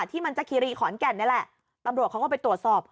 ที่มันจักรีรีขอนแก่นนี่แหละตำรวจเขาก็ไปตรวจสอบ